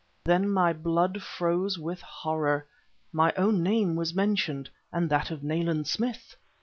Then my blood froze with horror. My own name was mentioned and that of Nayland Smith!